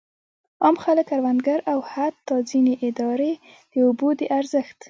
عام خلک، کروندګر او حتی ځینې ادارې د اوبو د ارزښت.